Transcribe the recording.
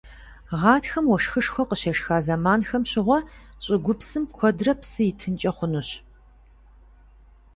Гъатхэм, уэшхышхуэ къыщешха зэманхэм щыгъуэ щӀыгупсым куэдрэ псы итынкӀэ хъунущ.